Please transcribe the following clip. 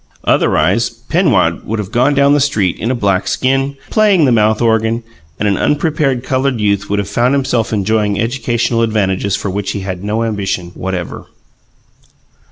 Otherwise Penrod would have gone down the street in a black skin, playing the mouth organ, and an unprepared coloured youth would have found himself enjoying educational advantages for which he had no ambition whatever.